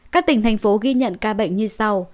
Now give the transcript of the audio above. các tỉnh thành phố ghi nhận ca bệnh như sau